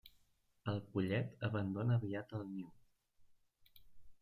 El pollet abandona aviat el niu.